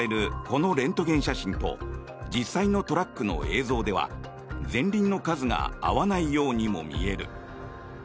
このレントゲン写真と実際のトラックの映像では前輪の数が合わないようにも見える。